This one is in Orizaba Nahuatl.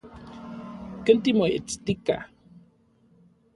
¿Ken timoestika?